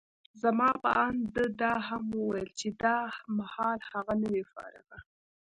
زما په اند، ده دا هم وویل چي دا مهال هغه، نه وي فارغه.